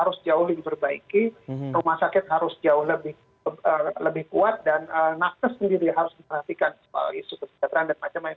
rumah sakit harus jauh lebih kuat dan nakta sendiri harus diperhatikan